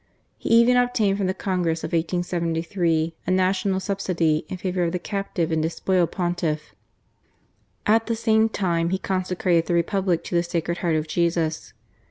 He even obtained from the Congress of 1873 a national subsidy in favour of the captive and despoiled Pontiff. At the same time, he consecrated the Republic to the Sacred Heart of Jesus.